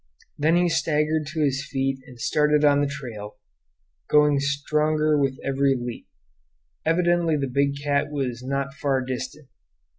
Then he staggered to his feet and started on the trail, going stronger with every leap. Evidently the big cat was not far distant.